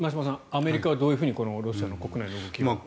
アメリカはどういうふうにロシア国内のことを。